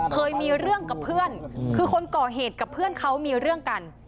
เคยมีเรื่องกับเพื่อนคือคนก่อเหตุกับเพื่อนเขามีเรื่องกัน